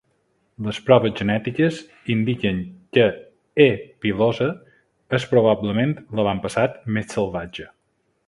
Les proves genètiques indiquen que "E.pilosa" és, probablement, l'avantpassat més salvatge.